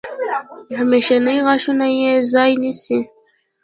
همیشني غاښونه یې ځای نیسي.